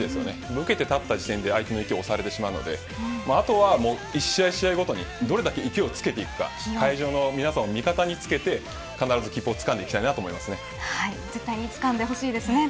抜けた形で相手の勢いを恐れてしまうのであとは１試合ごとにどれだけ勢いをつけていくか会場の皆さんを味方につけて必ず切符をつかんでいきたいなと絶対につかんでほしいですね。